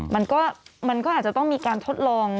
มันก็อาจจะต้องมีการทดลอง